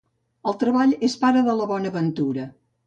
El treball és pare de la bona ventura.